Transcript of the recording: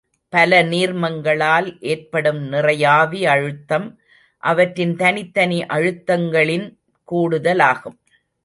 பல நீர்மங்களால் ஏற்படும் நிறையாவி அழுத்தம் அவற்றின் தனித்தனி அழுத்தங்களின் கூடுதலாகும்.